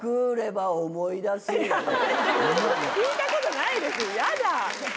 聞いたことないですよ！